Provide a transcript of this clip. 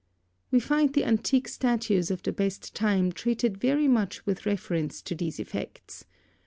We find the antique statues of the best time treated very much with reference to these effects.